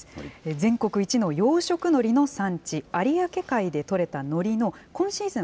全国一の養殖のりの産地、有明海で取れたのりの今シーズン